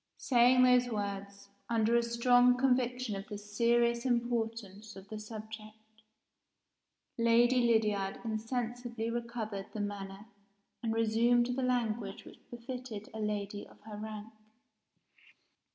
Saying those words, under a strong conviction of the serious importance of the subject, Lady Lydiard insensibly recovered the manner and resumed the language which befitted a lady of her rank.